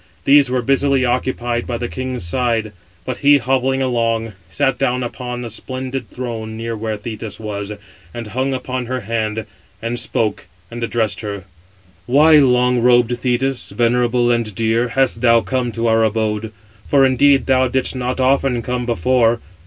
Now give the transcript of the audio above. These were busily occupied 593 by the king's side; but he, hobbling along, sat down upon a splendid throne near where Thetis was, and hung upon her hand, and spoke, and addressed her: "Why, long robed Thetis, venerable and dear, hast thou come to our abode? For indeed thou didst not often come before.